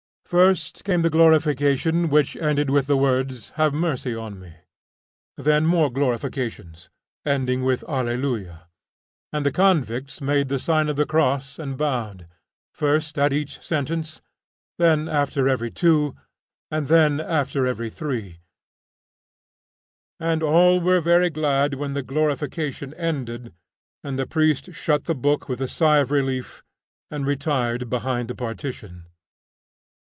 First came the glorification, which ended with the words, "Have mercy on me." Then more glorifications, ending with "Alleluia!" And the convicts made the sign of the cross, and bowed, first at each sentence, then after every two and then after three, and all were very glad when the glorification ended, and the priest shut the book with a sigh of relief and retired behind the partition.